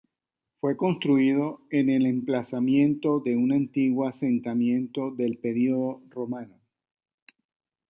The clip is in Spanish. Fue construido en el emplazamiento de un antiguo asentamiento del periodo romano.